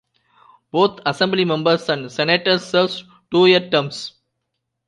Both Assembly members and Senators serve two-year terms.